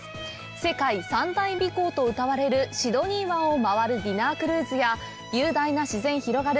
世界三大美港とうたわれるシドニー湾を回るディナークルーズや雄大な自然広がる